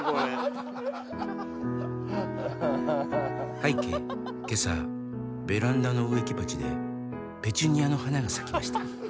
「拝啓けさベランダの植木鉢でペチュニアの花が咲きました」